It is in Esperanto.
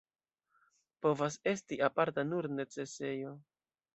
Povas esti aparta nur necesejo.